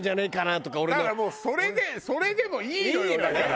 だからもうそれでそれでもいいのよだから。